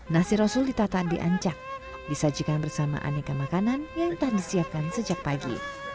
nasi rasul ditata di ancak disajikan bersama aneka makanan yang telah disiapkan sejak pagi